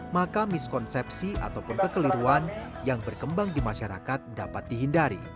maka miskonsepsi ataupun kekeliruan yang berkembang di masyarakat dapat dihindari